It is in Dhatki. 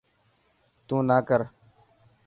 تون نا ڪر.